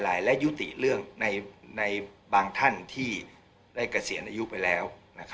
และยุติเรื่องในบางท่านที่ได้เกษียณอายุไปแล้ว